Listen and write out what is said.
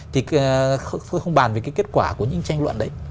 thôi không bàn về kết quả của những tranh luận đấy